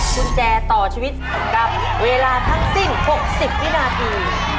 กุญแจต่อชีวิตสำหรับเวลาทั้งสิ้น๖๐วินาที